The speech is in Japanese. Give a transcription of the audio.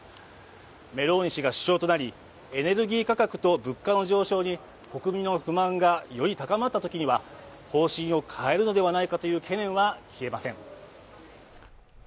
メローニ氏が首相となりエネルギー価格と物価の上昇に国民の不満がより高まったときには方針を変えるのではないかという懸念は消えません。